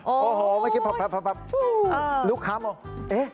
โอ้โหเมื่อกี้พับลุกข้ามว่าเอ๊ะ